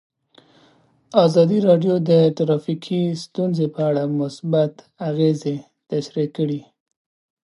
ازادي راډیو د ټرافیکي ستونزې په اړه مثبت اغېزې تشریح کړي.